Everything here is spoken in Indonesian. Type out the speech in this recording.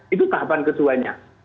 itu tahapan keduanya